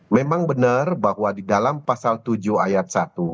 memang benar bahwa di dalam pasal tujuh ayat satu